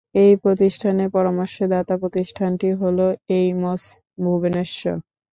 এই প্রতিষ্ঠানের পরামর্শদাতা প্রতিষ্ঠানটি হল এইমস ভুবনেশ্বর।